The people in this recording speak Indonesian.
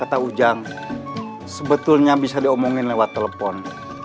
kata ujang sebetulnya bisa diomongin lewat telepon